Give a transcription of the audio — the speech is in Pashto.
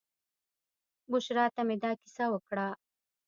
بشرا ته مې دا کیسه وکړه.